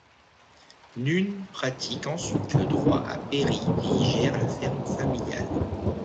Nunn pratique ensuite le droit à Perry et y gère la ferme familiale.